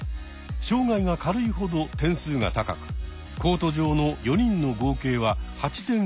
障害が軽いほど点数が高くコート上の４人の合計は８点以内。